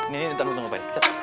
nih ntar nunggu pak de